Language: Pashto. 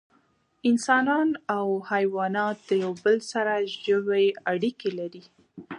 انسانان او حیوانات د یو بل سره ژوی اړیکې لري